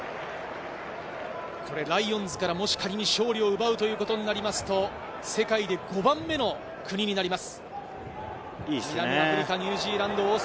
ライオンズからもし仮に勝利を奪うということになりますと、世界で５番目の国になります。